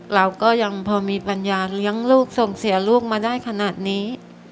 เราก็ยังพอมีปัญญาเลี้ยงลูกส่งเสียลูกมาได้ขนาดนี้